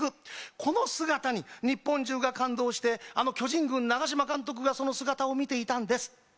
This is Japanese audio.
この姿に日本中が感動して、あの巨人軍・長嶋監督がその姿を見ていたんです。